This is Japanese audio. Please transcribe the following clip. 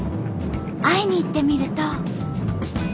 会いに行ってみると。